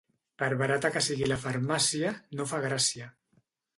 Per barata que sigui la farmàcia, no fa gràcia.